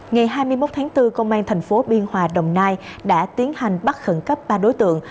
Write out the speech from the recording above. ngày hai mươi một tháng bốn công an thành phố biên hòa đồng nai đã tiến hành bắt khẩn cấp ba đối tượng